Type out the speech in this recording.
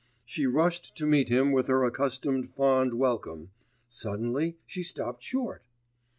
She rushed to meet him with her accustomed fond welcome; suddenly she stopped short.